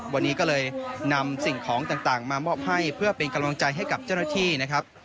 วันนี้ก็เลยนำสิ่งของต่างมามอบให้เพื่อเป็นกำลังใจให้กับเจ้าหน้าที่นะครับ